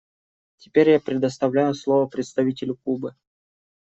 Теперь я предоставляю слово представителю Кубы.